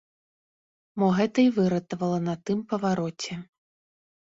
Мо гэта і выратавала на тым павароце.